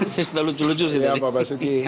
cerita lucu lucu sih tadi ya bapak suki